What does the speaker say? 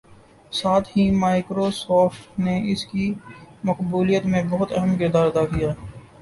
ساتھ ہی مائیکروسوفٹ نے اس کی مقبولیت میں بہت اہم کردار ادا کیا